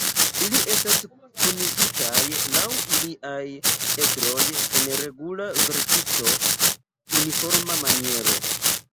Ili estas kunigitaj laŭ iliaj edroj en regula vertico-uniforma maniero.